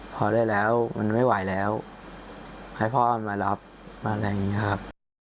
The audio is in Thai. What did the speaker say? พอได้แล้วมันไม่ไหวแล้วให้พ่อมารับมาอะไรอย่างนี้ครับ